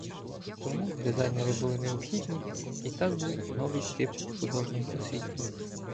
Тому дизайнери були необхідні і так був новий тип художньої освіти.